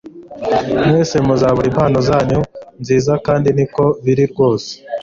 Mwese muzabura impano zanyu nziza kandi niko biri rwose